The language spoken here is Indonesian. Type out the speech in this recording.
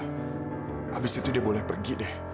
habis itu dia boleh pergi deh